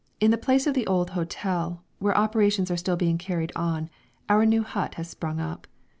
_ In place of the old hotel, where operations are still being carried on, our new hut has sprung up.